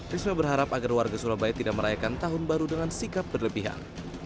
risma berharap agar warga surabaya tidak merayakan tahun baru dengan sikap berlebihan